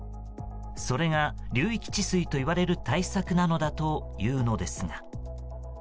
それが流域治水といわれる対策なのだというのですが。